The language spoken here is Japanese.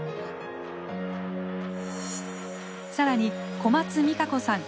更に小松未可子さん